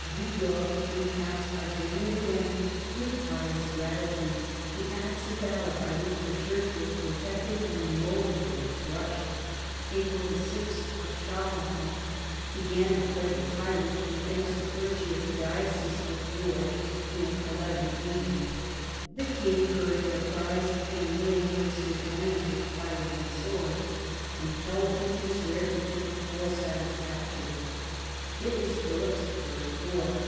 Kigord recounts again and again with pious gratitude the acts of valour by which the Church was protected and the nobles were crushed. Hebo VI. of v THE ADVANCE OF THE MONARCHY 117 Charenton "began to play the tyrant" against the clergy of the diocese of Bourges in 1180: the king heard their cries, and laying waste his land with fire and sword, compelled him to swear to give full satisfaction. It was Philip's first war.